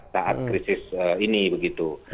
saat krisis ini begitu